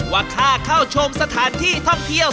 ว่าค่าเข้าชมสถานที่ท่องเที่ยว